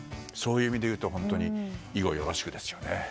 そういう意味でいうと本当に以後よろしく、ですよね。